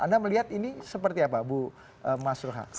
anda melihat ini seperti apa bu mas roha